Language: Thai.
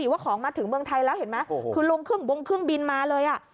ว่าของมาถึงเมืองไทยแล้วเห็นไหมคือลงเครื่องบงเครื่องบินมาเลยอ่ะ